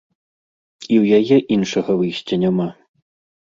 І ў яе іншага выйсця няма.